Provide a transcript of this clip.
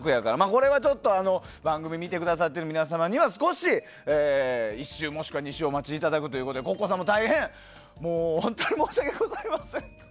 これはちょっと番組見てくださってる皆様には少し、１週もしくは２週お待ちいただくということでお待ちいただくということでＣｏｃｃｏさんも大変、本当に申し訳ございません。